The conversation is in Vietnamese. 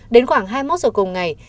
đến khoảng hai mươi một giờ cùng ngày